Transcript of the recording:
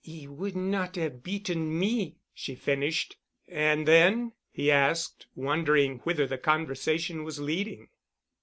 "'E would not have beaten me," she finished. "And then?" he asked, wondering whither the conversation was leading.